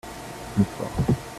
le fort.